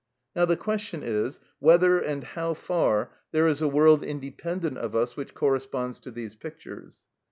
Now the question is, whether and how far there is a world independent of us which corresponds to these pictures.